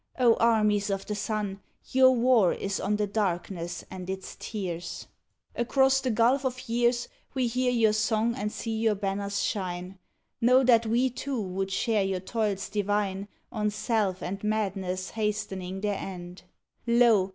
armies of the sun, Your war is on the darkness and its tears! 100 THE PANAMA PACIFIC EXPOSITION Across the gulf of years We hear your song and see your banners shine. Know that we too would share your toils divine, On self and madness hastening their end. Lo